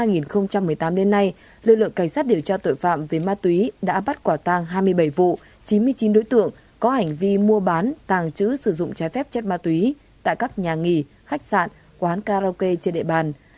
năm hai nghìn một mươi tám đến nay lực lượng cảnh sát điều tra tội phạm về ma túy đã bắt quả tàng hai mươi bảy vụ chín mươi chín đối tượng có hành vi mua bán tàng trữ sử dụng trái phép chất ma túy tại các nhà nghỉ khách sạn quán karaoke trên địa bàn